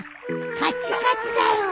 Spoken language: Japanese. カッチカチだよ。